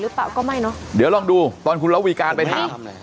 เปล่าก็ไม่เนอะเดี๋ยวลองดูตอนคุณระวีการไปถาม